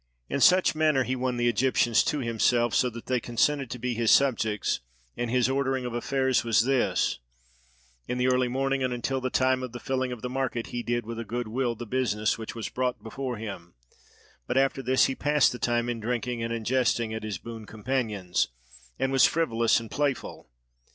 In such manner he won the Egyptians to himself, so that they consented to be his subjects; and his ordering of affairs was this: In the early morning, and until the time of the filling of the market he did with a good will the business which was brought before him; but after this he passed the time in drinking and in jesting at his boon companions, and was frivolous and playful.